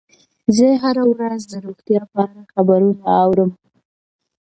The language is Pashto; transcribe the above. زه هره ورځ د روغتیا په اړه خبرونه اورم.